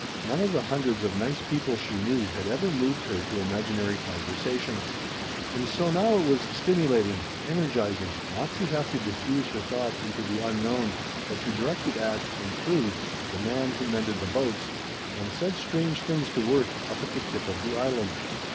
None of the hundreds of nice people she knew had ever moved her to imaginary conversations. And so now it was stimulating energizing not to have to diffuse her thought into the unknown, but to direct it at, and through, the man who mended the boats and said strange things to Worth up at the tip of the Island.